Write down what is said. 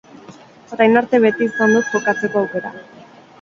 Orain arte beti izan dut jokatzeko aukera.